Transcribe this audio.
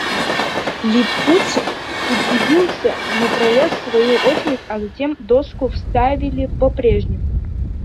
Липутин удивился, но пролез в свою очередь; затем доску вставили по-прежнему.